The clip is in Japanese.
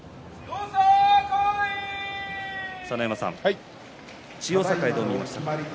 佐ノ山さん、千代栄どう見ましたか？